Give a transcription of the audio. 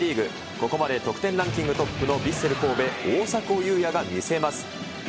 ここまで得点ランキングトップのヴィッセル神戸、大迫勇也が見せます。